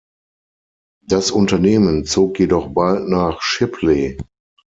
Das Unternehmen zog jedoch bald nach Shipley.